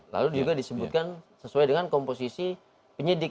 lalu juga disebutkan sesuai dengan komposisi penyidik